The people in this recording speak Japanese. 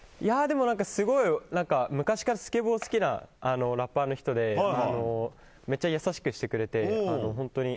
でも、すごい昔からスケボー好きなラッパーの人でめっちゃ優しくしてくれて。